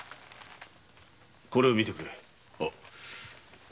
これを見てくれ。